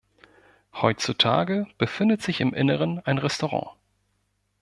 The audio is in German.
Heutzutage befindet sich im Inneren ein Restaurant.